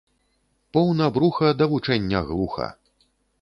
Поўна бруха да вучэння глуха